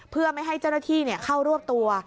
เพื่อไม่ให้เจ้าหน้าที่เข้ารวบตัว